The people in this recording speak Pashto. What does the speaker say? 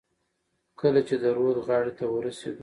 کله چې د ورد غاړې ته ورسېدو.